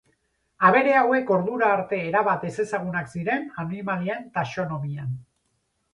Abere hauek ordura arte erabat ezezagunak ziren animalien taxonomian.